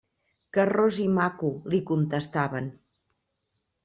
«Que ros i maco», li contestaven.